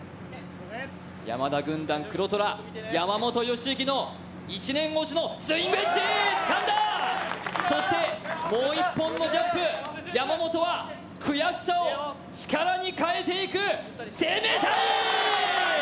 山田軍団黒虎、山本良幸の１年越しのスイングエッジつかんだそしてもう１本のジャンプ、山本は力に変えていく生命体。